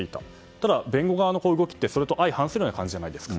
ただ、弁護側の動きってそれと相反する動きじゃないですか。